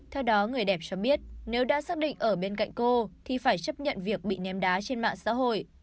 theo đó người đẹp cho biết nếu đã xác định ở bên cạnh cô thì phải chấp nhận việc bị ném đá trên mạng xã hội